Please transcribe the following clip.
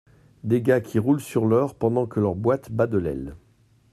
Des gars qui roulent sur l’or pendant que leur boîte bat de l’aile